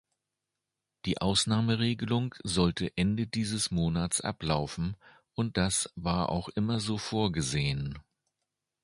Die Ausnahmeregelung sollte Ende dieses Monats ablaufen, und das war auch immer so vorgesehen.